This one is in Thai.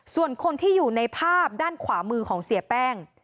ส่วนคนที่อยู่ในภาพด้านขวามือของเสียแป้ง